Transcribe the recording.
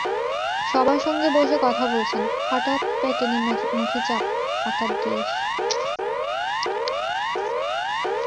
সবার সঙ্গে বসে কথা বলছেন, হঠাৎ পেটে নিম্নমুখী চাপ, অর্থাৎ গ্যাস।